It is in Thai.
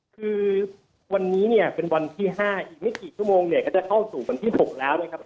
คือวันนี้เนี่ยเป็นวันที่๕อีกไม่กี่ชั่วโมงเนี่ยก็จะเข้าสู่วันที่๖แล้วนะครับ